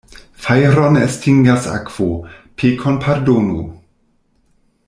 Fajron estingas akvo, pekon pardono.